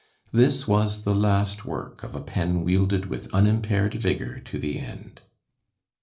This was the last work of a pen wielded with unimpaired vigor to the end.